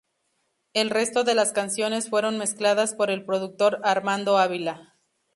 El resto de las canciones fueron mezcladas por el productor Armando Ávila.